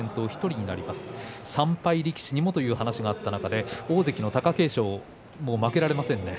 ３敗力士にもという話がありましたが大関の貴景勝も負けられませんね。